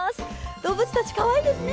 動物たち、かわいいですね。